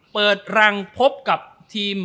เปิดรังพบกับทีม